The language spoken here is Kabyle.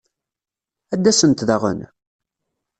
Ad d-asent daɣen?